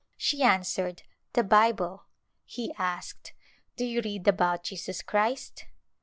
She answered, "The Bible." He asked, " Do you read about Jesus Christ